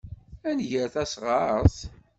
Ad nger tasɣart?